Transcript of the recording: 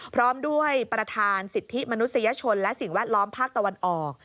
พร้อมด้วยประธานสิทธิมนุษยชนและสิ่งแวดล้อมภาคตะวันออก